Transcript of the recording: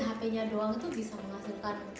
handphonenya doang tuh bisa menghasilkan